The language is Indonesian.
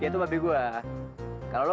dia tuh babi gue